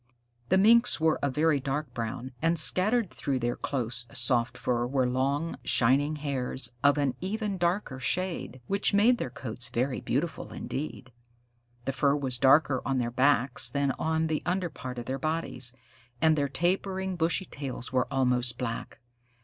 The Minks were a very dark brown, and scattered through their close, soft fur were long, shining hairs of an even darker shade, which made their coats very beautiful indeed. The fur was darker on their backs than on the under part of their bodies, and their tapering, bushy tails were almost black.